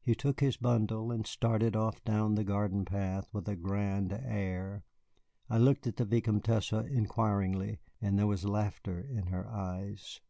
He took his bundle, and started off down the garden path with a grand air. I looked at the Vicomtesse inquiringly, and there was laughter in her eyes.